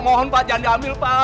pak mohon pak jangan diambil pak